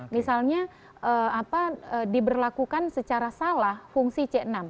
misalnya diberlakukan secara salah fungsi c enam